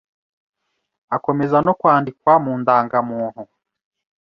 akomeza no kwandikwa mu ndangamuntu